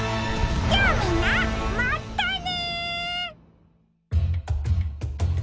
じゃあみんなまったね！